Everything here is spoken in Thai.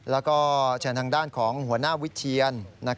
แล้วก็เชิญทางด้านของหัวหน้าวิทเทียน